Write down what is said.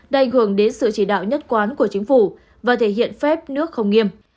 đành hưởng đến sự chỉ đạo nhất quán của chính phủ và thể hiện phép nước không nghiêm